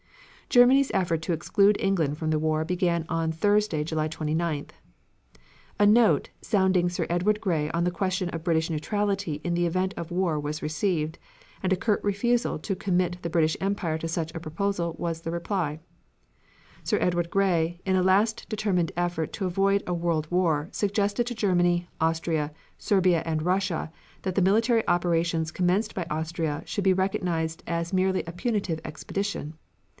Germany's effort to exclude England from the war began on Thursday, July 29th. A note, sounding Sir Edward Grey on the question of British neutrality in the event of war was received, and a curt refusal to commit the British Empire to such a proposal was the reply. Sir Edward Grey, in a last determined effort to avoid a world war, suggested to Germany, Austria, Serbia and Russia that the military operations commenced by Austria should be recognized as merely a punitive expedition.